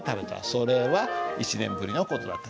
それは、一年ぶりのことだった」。